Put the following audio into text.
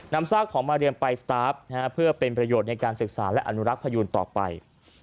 ซากของมาเรียมไปสตาร์ฟเพื่อเป็นประโยชน์ในการศึกษาและอนุรักษ์พยูนต่อไป